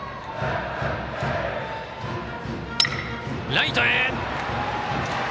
ライトへ！